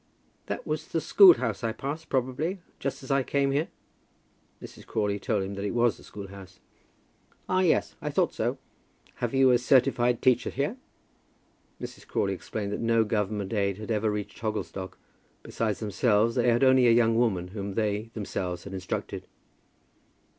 "That was the school house I passed, probably, just as I came here?" Mrs. Crawley told him that it was the school house. "Ah, yes, I thought so. Have you a certified teacher here?" Mrs. Crawley explained that no Government aid had ever reached Hogglestock. Besides themselves, they had only a young woman whom they themselves had instructed.